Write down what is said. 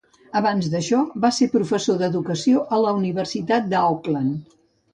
Abans d'això, va ser professor d'Educació a la Universitat d'Auckland.